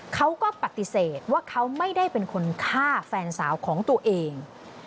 เขาก็ปฏิเสธว่าเขาไม่ได้เป็นคนฆ่าแฟนสาวของตัวเอง